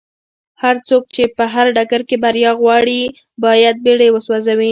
هرڅوک چې په هر ډګر کې بريا غواړي بايد بېړۍ وسوځوي.